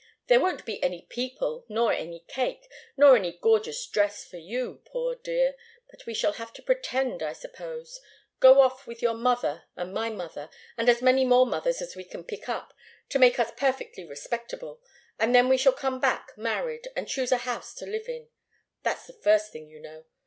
There won't be any people nor any cake, nor any gorgeous dress for you poor dear! But we shall have to pretend, I suppose go off with your mother and my mother, and as many more mothers as we can pick up, to make us perfectly respectable, and then we shall come back married, and choose a house to live in. That's the first thing, you know.